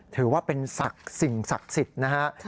ถือว่าเป็นสักสิ่งศักดิ์สิทธิ์นะครับ